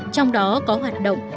trong đó có hoạt động